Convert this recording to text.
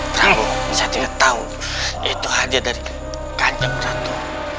prabowo saya tidak tahu itu hanya dari kandung ratu